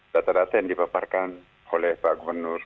data data yang dipaparkan oleh pak gubernur